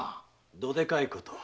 どでかいこと？